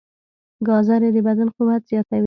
ګازرې د بدن قوت زیاتوي.